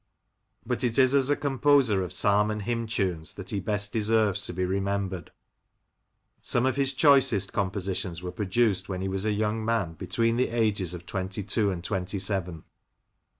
But it is as a composer of psalm and hymn tunes that he best deserves to be remembered. Some of his choicest compositions were produced when he was a young man between the ages of twenty two and twenty seven.